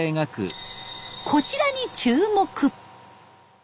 こちらに注目！